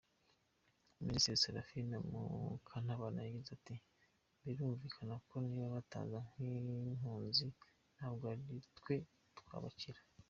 Minisitiri Seraphine Mukantabana yagize ati “Birumvikana ko niba bataza nk’impunzi ntabwo aritwe twabakira.